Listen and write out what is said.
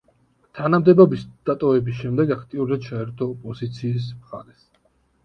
თანამდებობის დატოვების შემდეგ აქტიურად ჩაერთო ოპოზიციის მხარეს.